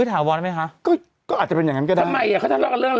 วิทยาวรรณ์ไหมคะก็ก็อาจจะเป็นอย่างงั้นก็ได้ทำไมอ่ะเขาทำลอกเรื่อง